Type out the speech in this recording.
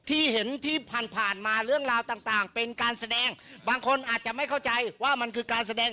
ที่เห็นที่ผ่านมาเรื่องราวต่างเป็นการแสดงบางคนอาจจะไม่เข้าใจว่ามันคือการแสดง